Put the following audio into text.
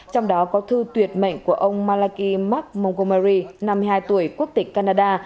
trong đó có thư tuyệt mệnh của ông malaki mark monkomary năm mươi hai tuổi quốc tịch canada